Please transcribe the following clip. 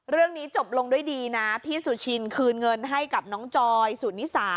เรื่องนี้จบลงด้วยดีนะพี่สุชินคืนเงินให้กับน้องจอยสุนิสา